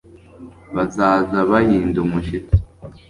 bazaza bahinda umushyitsi